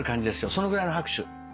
そのぐらいの拍手。